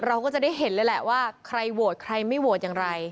เราก็จะได้เห็นเลยแหละว่าใครโหวตใครไม่โหวตอย่างไร